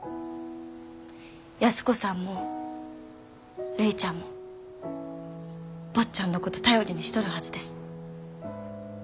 安子さんもるいちゃんも坊ちゃんのこと頼りにしとるはずです。